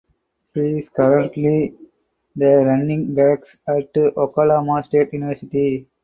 He is currently the Running backs at Oklahoma State University.